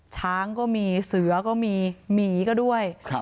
ช้างก็มีเสือก็มีหมีก็ด้วยครับ